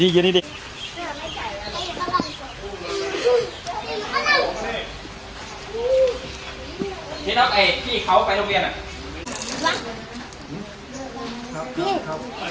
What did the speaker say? พี่เขาไปโรงเรียน